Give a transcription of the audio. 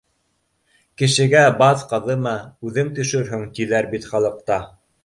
Кешегә баҙ ҡаҙыма, үҙең төшөрһөң, тиҙәр бит халыҡта